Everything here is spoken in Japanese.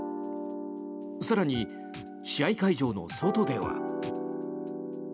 更に、試合会場の外では。